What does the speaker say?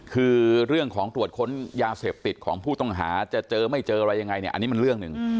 คือเรื่องของตรวจค้นยาเสพติดของผู้ต้องหาจะเจอไม่เจออะไรยังไงเนี่ยอันนี้มันเรื่องหนึ่ง